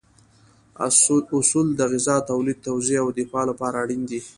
اصول د غذا تولید، توزیع او دفاع لپاره اړین دي.